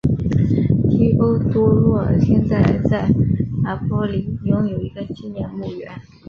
提欧多洛现在在拿坡里拥有一个纪念墓园。